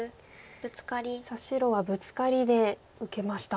さあ白はブツカリで受けました。